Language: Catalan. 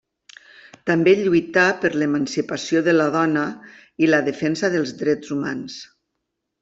També lluità per l'emancipació de la dona i la defensa dels drets humans.